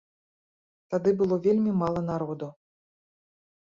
Тады было вельмі мала народу.